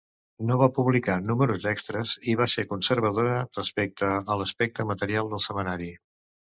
No va publicar números extres, i va ser conservadora respecte a l'aspecte material del setmanari.